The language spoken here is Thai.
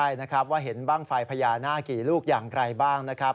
ใช่นะครับว่าเห็นบ้างไฟพญานาคกี่ลูกอย่างไรบ้างนะครับ